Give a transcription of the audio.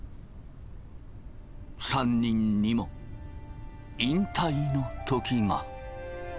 ３人にも引退の時が。